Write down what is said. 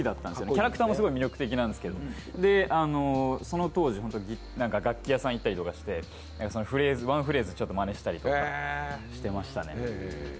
キャラクターも魅力的だったんですけどその当時、楽器屋さんに行ったりとかしてワンフレーズまねしたりとかしてましたね。